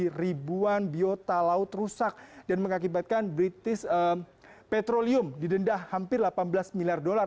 jadi ribuan biota laut rusak dan mengakibatkan british petroleum didendah hampir delapan belas miliar dolar